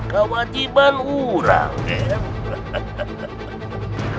kewajiban orang ger